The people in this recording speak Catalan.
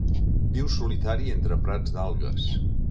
Viu solitari entre prats d'algues.